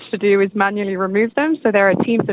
jadi hanya minyak keluarga